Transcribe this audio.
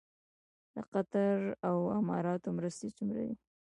د قطر او اماراتو مرستې څومره دي؟